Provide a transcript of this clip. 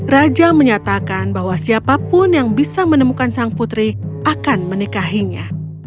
raja menyatakan bahwa siapapun yang bisa menemukan sang putri akan menikahinya